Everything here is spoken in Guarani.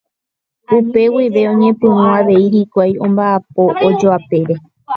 Upe guive oñepyrũ avei hikuái omba'apo ojoapére.